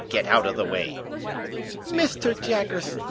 Get out of the way." "Mithter Jaggerth!